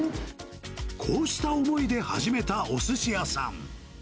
こうした思いで始めたおすし屋さん。